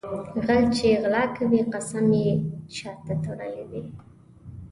غل چې غلا کوي قسم یې شاته تړلی وي.